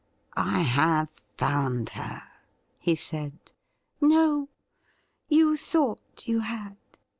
' I have found her,' he said. ' No ; you thought you had.